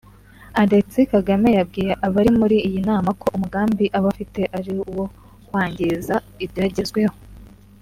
Alexis Kagame yabwiye abari muri iyi nama ko umugambi aba bafite ari uwo kwangiza ibyagezweho